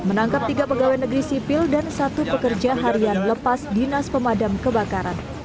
menangkap tiga pegawai negeri sipil dan satu pekerja harian lepas dinas pemadam kebakaran